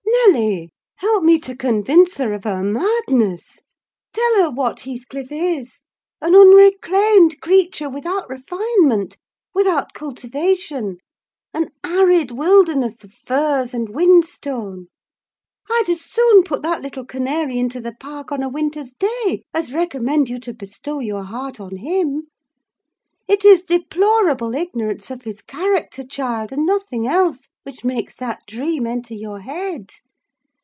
"Nelly, help me to convince her of her madness. Tell her what Heathcliff is: an unreclaimed creature, without refinement, without cultivation; an arid wilderness of furze and whinstone. I'd as soon put that little canary into the park on a winter's day, as recommend you to bestow your heart on him! It is deplorable ignorance of his character, child, and nothing else, which makes that dream enter your head.